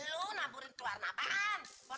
lo namburin kewarna apaan warna nambur